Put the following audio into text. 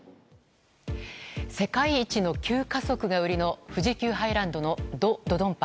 世界一の急加速が売りの富士急ハイランドのド・ドドンパ。